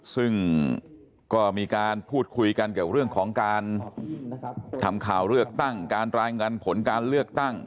ซึ่งก็มีการพูดคุยกันเกี่ยวกับเรื่องของการทำข่าวเลือกตั้งการรายงานผลการเลือกตั้ง